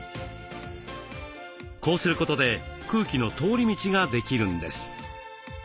こうすることで空気の通り道ができるんです。